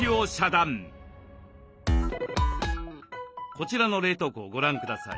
こちらの冷凍庫をご覧ください。